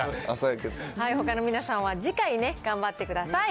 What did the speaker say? ほかの皆さんは次回頑張ってください。